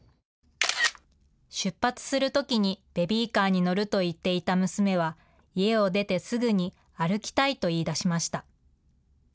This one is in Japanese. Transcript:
出発するときにベビーカーに乗ると言っていた娘は家を出てすぐに歩きたいと言いだしました。